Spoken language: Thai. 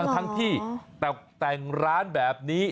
ทั้งที่แต่งร้านแบบนี้